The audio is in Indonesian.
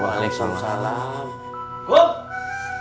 berarti gak cocok sama masakan kamu